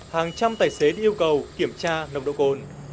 hàng trăm tài xế được yêu cầu kiểm tra nồng độ cồn